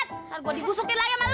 ntar gue digusukin lagi sama lo